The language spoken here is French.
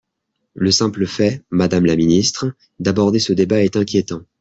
Le simple fait, madame la ministre, d’aborder ce débat est inquiétant.